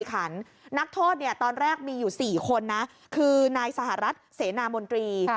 นักโทษตอนแรกมีอยู่๔คนนะคือนายสหรัฐเสนามนตรี